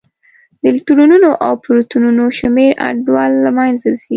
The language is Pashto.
د الکترونونو او پروتونونو شمېر انډول له منځه ځي.